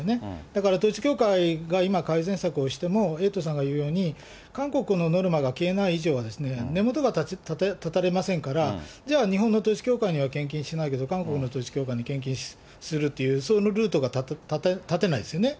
だから統一教会が今、改善策をしても、エイトさんが言うように、韓国のノルマが消えない以上は、根元が絶たれませんから、じゃあ、日本の統一教会には献金しないけど、韓国の統一教会に献金するっていう、そのルートが立てないですよね。